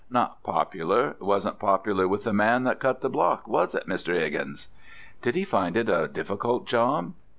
Not popular: it wasn't popular with the man that cut the block, was it, Mr. 'Iggins?" "Did he find it a difficult job?"